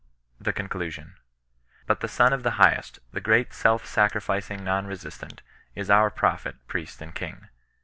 THE CONCLUSION. But the Son of the Highest, the great self sacrificing Kon Besistant, is our prophet, priest, and king.